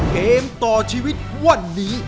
เกมต่อชีวิตวันนี้